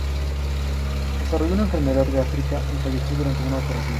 Desarrolló una enfermedad gástrica y falleció durante una operación.